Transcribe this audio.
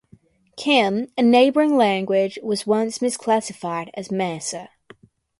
Kim, a neighbouring language, was once misclassified as Masa.